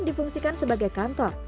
difungsikan sebagai kantor